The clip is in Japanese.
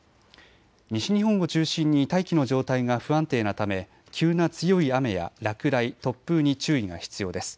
西日本を中心に大気の状態が不安定なため急な強い雨や落雷、突風に注意が必要です。